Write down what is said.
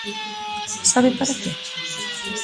¿Sabe para que?